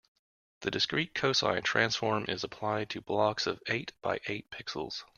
The discrete cosine transform is applied to blocks of eight by eight pixels.